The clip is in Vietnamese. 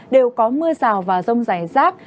đều có mưa rào và rông rải rác